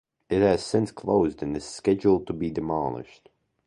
It has since closed and is scheduled to be demolished.